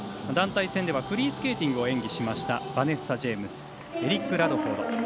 団体戦ではフリースケーティングを演技したバネッサ・ジェイムスエリック・ラドフォード。